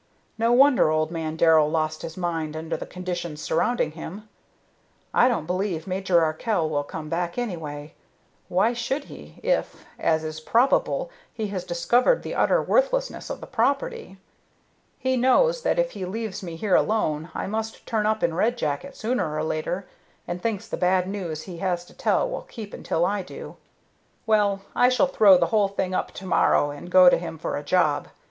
No wonder old man Darrell lost his mind under the conditions surrounding him. I don't believe Major Arkell will come back, anyway. Why should he, if, as is probable, he has discovered the utter worthlessness of the property? He knows that if he leaves me here alone I must turn up in Red Jacket sooner or later, and thinks the bad news he has to tell will keep until I do. Well, I shall throw the whole thing up to morrow and go to him for a job.